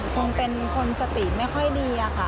คงเป็นคนสติไม่ค่อยดีค่ะ